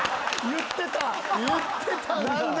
言ってたんだ。